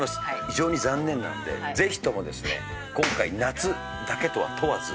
非常に残念なんでぜひともですね今回「夏」だけとは問わず。